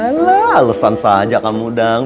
alah alasan saja kamu dang